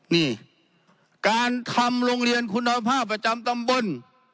นี่การทำโรงเรียนคุณภาพประจำตำบล